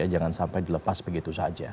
jangan sampai dilepas begitu saja